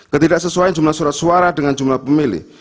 ketidaksesuaian jumlah surat suara dengan jumlah pemilih